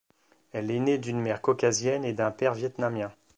Elle est née d'une mère caucasienne et d'un père vietnamien.